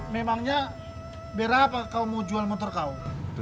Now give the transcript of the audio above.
memangnya berapa kau mau jual motor kau